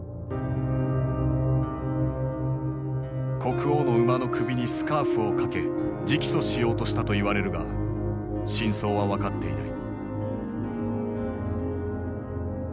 国王の馬の首にスカーフを掛け直訴しようとしたといわれるが真相は分かっていない。